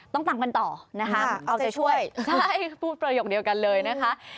ต้องตามกันต่อนะคะเอาใจช่วยใช่พูดประโยคเดียวกันเลยนะคะ